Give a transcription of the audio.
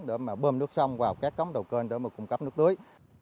để bơm nước sông vào các cống đầu cơn để cung cấp nước tưới